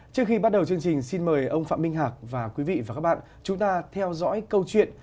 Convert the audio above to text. trước khi bắt đầu chương trình xin mời ông phạm minh hạc và quý vị và các bạn chúng ta theo dõi câu chuyện